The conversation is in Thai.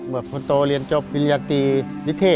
แบบคอนโตเรียนจบปริญญาตีนิทธิ์